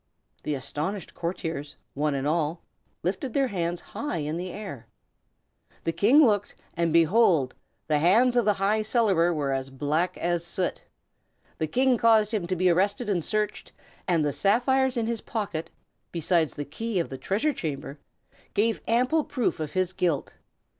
The astonished courtiers, one and all, lifted their hands high in air. The King looked, and, behold! the hands of the High Cellarer were as black as soot! The King caused him to be arrested and searched, and the sapphires in his pocket, besides the key of the treasure chamber, gave amble proof of his guilt.